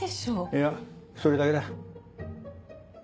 いやそれだけだ。